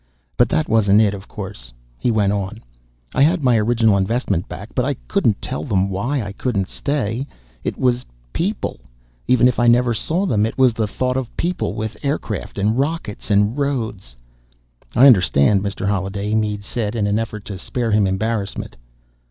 "But that wasn't it, of course," he went on. "I had my original investment back. But I couldn't tell them why I couldn't stay. It was people even if I never saw them, it was the thought of people, with aircraft and rockets and roads " "I understand, Mr. Holliday," Mead said in an effort to spare him embarrassment.